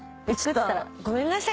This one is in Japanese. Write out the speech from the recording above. ごめんなさい。